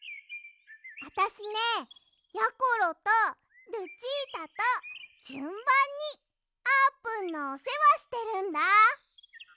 あたしねやころとルチータとじゅんばんにあーぷんのおせわしてるんだ。